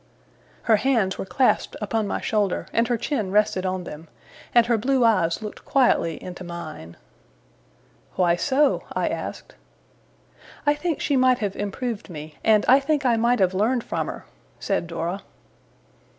Her hands were clasped upon my shoulder, and her chin rested on them, and her blue eyes looked quietly into mine. 'Why so?' I asked. 'I think she might have improved me, and I think I might have learned from her,' said Dora.